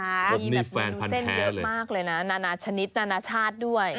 รวมนี้แฟนพันแท้เลยนะนานาชนิดนานาชาติด้วย